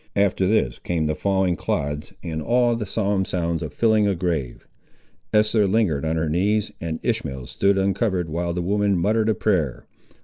After this came the falling clods and all the solemn sounds of filling a grave. Esther lingered on her knees, and Ishmael stood uncovered while the woman muttered a prayer.